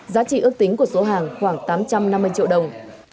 giá trị ước tính của số hàng khoảng tám trăm năm mươi triệu đồng